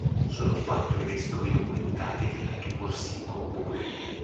Sono quattro i vescovi documentati di Tubursico-Bure.